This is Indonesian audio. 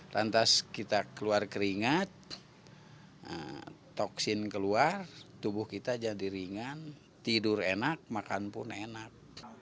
lantas kita keluar keringat toksin keluar tubuh kita jadi ringan tidur enak makan pun enak